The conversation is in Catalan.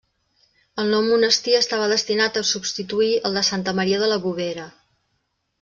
El nou monestir estava destinat a substituir el de Santa Maria de la Bovera.